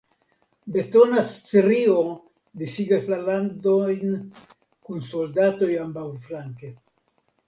Betona strio disigas la landojn kun soldatoj ambaŭflanke.